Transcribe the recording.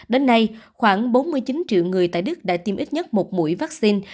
đến nay khoảng bốn mươi chín triệu người tại đức đã tiêm ít nhất một mũi vaccine